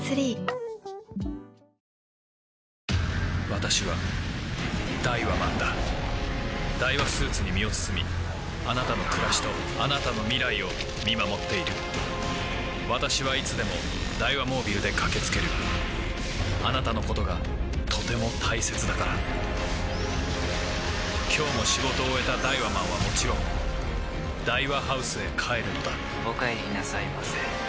私はダイワマンだダイワスーツに身を包みあなたの暮らしとあなたの未来を見守っている私はいつでもダイワモービルで駆け付けるあなたのことがとても大切だから今日も仕事を終えたダイワマンはもちろんダイワハウスへ帰るのだお帰りなさいませ。